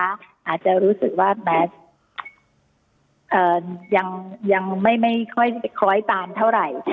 อาจจะรู้สึกว่าแม้ยังไม่ค่อยค้อยตามเท่าไหร่